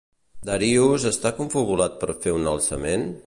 Darios està confabulat per fer un alçament?